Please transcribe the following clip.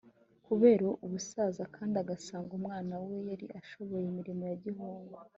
kubera ubusaza kandi agasanga umwana we yari ashoboye imirimo ya gihungu.